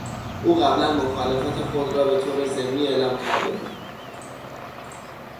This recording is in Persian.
او قبلا مخالفت خود را به طور ضمنی اعلام کرده بود.